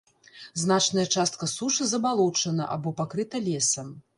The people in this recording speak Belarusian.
Значная частка сушы забалочана або пакрыта лесам.